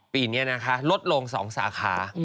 ปีนี้ลดลง๒สาขา